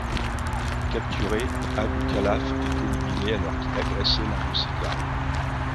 Capturé, Abou Khalaf est éliminé alors qu'il agressait l'un de ses gardes.